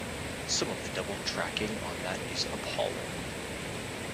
Some of the double tracking on that is appalling.